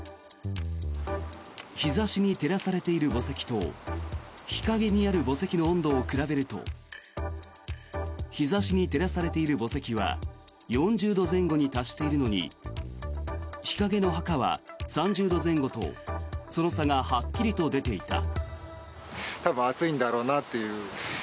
日差しに照らされている墓石と日影にある墓石の温度を比べると日差しに照らされている墓石は４０度前後に達しているのに日陰の墓は３０度前後とその差がはっきりと出ていた。